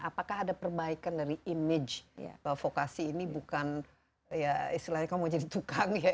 apakah ada perbaikan dari image bahwa vokasi ini bukan ya istilahnya kamu mau jadi tukang ya